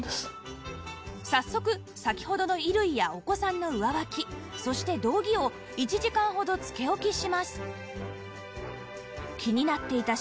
早速先ほどの衣類やお子さんの上履きそして道着を１時間ほどつけ置きします